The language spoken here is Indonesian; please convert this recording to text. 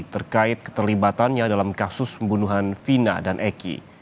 terkait keterlibatannya dalam kasus pembunuhan vina dan eki